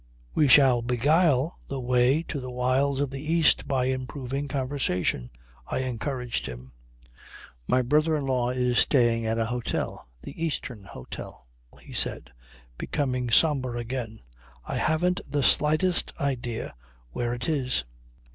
"We shall beguile the way to the wilds of the East by improving conversation," I encouraged him. "My brother in law is staying at an hotel the Eastern Hotel," he said, becoming sombre again. "I haven't the slightest idea where it is."